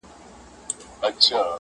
نو خود به اوس ورځي په وينو رنگه ككــرۍ~